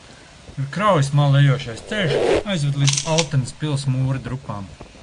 Gar kraujas malu ejošais ceļš aizved līdz Altenes pils mūru drupām.